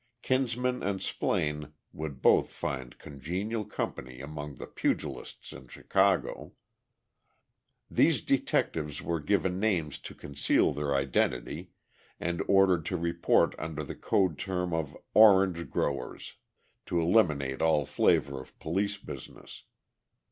Kinsman and Splaine would both find congenial company among the pugilists in Chicago. These detectives were given names to conceal their identity, and ordered to report under the code term of "Orange Growers" to eliminate all flavor of police business.